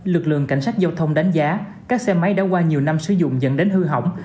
lực lượng cảnh sát giao thông đánh giá các xe máy đã qua nhiều năm sử dụng dẫn đến hư hỏng